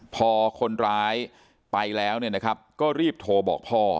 พอคนร้ายไปแล้วก็รีบโทรบอกพ่อ